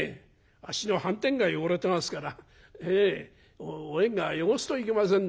あっしの半纏が汚れてますからお縁側汚すといけませんので」。